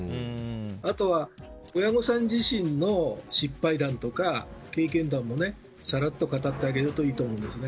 あとは親御さん自身の失敗談とか経験談もさらっと語ってあげるといいと思うんですね。